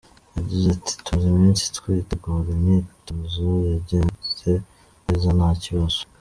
Yagize ati “Tumaze iminsi twitegura, imyitozo yagenze neza nta kibazo.